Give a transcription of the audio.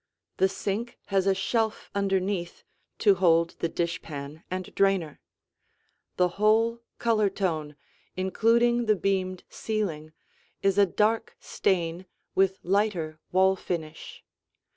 The sink has a shelf underneath to hold the dishpan and drainer. The whole color tone, including the beamed ceiling, is a dark stain with lighter wall finish.